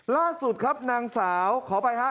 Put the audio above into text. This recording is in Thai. ล่าสุดครับนางสาวขออภัยฮะ